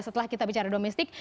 setelah kita bicara domestik